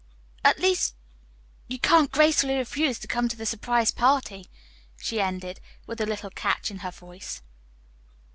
At least you can't gracefully refuse to come to the surprise party," she ended, with a little catch in her voice.